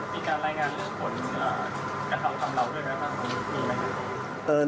มีการรายงานเรื่องผลเอ่อกระทำคำเหล่าด้วยนะครับมีมั้ย